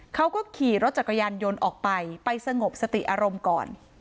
เขาก็ขี่รถจักรยานยนต์ออกไปไปสงบสติอารมณ์ก่อน